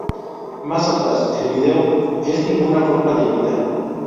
Más atrás, el video, "es ninguna forma de imitar.